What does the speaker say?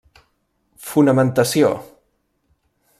Fonamentació: